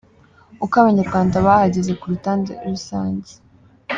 Uko Abanyarwanda bahagaze ku rutonde rusange.